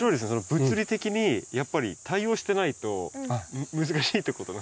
物理的にやっぱり対応してないと難しいってことなんですね。